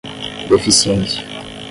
deficiência